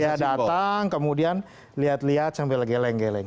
ya datang kemudian lihat lihat sambil geleng geleng